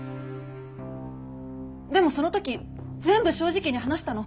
でもその時全部正直に話したの。